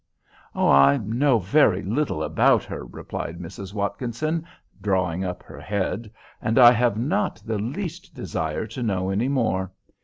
"I know very little about her," replied Mrs. Watkinson, drawing up her head, "and I have not the least desire to know any more.